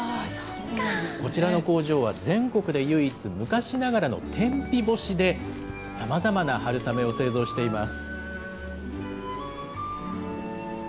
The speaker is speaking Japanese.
こちらの工場は、全国で唯一、昔ながらの天日干しで、さまざまな春雨を製造しています。